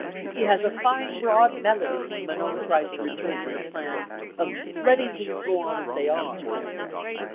He has a fine broad melody when Manon tries to return to her plan of letting things go on as they are.